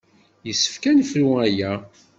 Yessefk ad nefru aya.